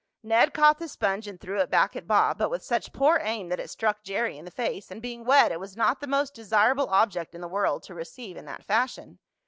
Ned caught the sponge and threw it back at Bob, but with such poor aim that it struck Jerry in the face, and, being wet, it was not the most desirable object in the world to receive in that fashion.